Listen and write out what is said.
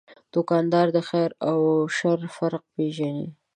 دوکاندار د خیر او شر فرق پېژني.